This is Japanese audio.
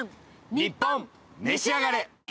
『ニッポンめしあがれ』。